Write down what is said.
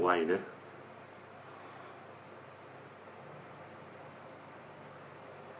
เตาแล้ว